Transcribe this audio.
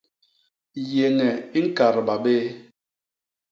Yéñe i ñkadba bé.